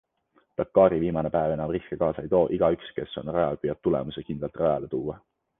Dakari viimane päev enam riske kaasa ei too, igaüks, kes on rajal, püüab tulemuse kindlalt rajale tuua.